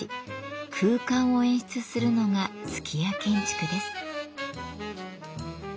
空間を演出するのが数寄屋建築です。